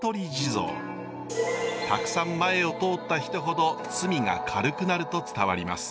たくさん前を通った人ほど罪が軽くなると伝わります。